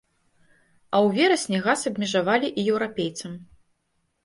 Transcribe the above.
А ў верасні газ абмежавалі і еўрапейцам.